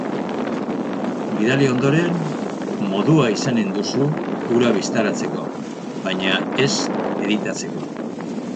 Bidali ondoren, modua izanen duzu hura bistaratzeko, baina ez editatzeko.